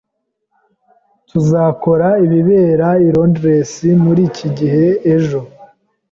Tuzakora ibibera i Londres muri iki gihe ejo.